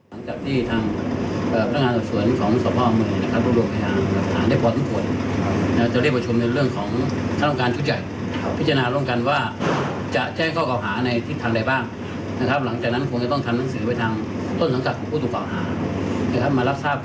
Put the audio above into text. ส่งไว้ที่ประวัติศาสตร์หรือประวัติศาสตร์พรุ่งน้ำแล้วครับ